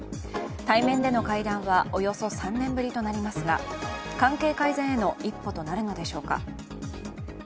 対面での会談はおよそ３年ぶりとなりますが、関係改善への一歩となるのでしょうか。